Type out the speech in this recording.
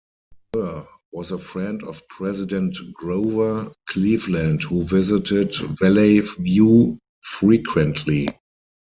Burr was a friend of President Grover Cleveland, who visited Valley View frequently.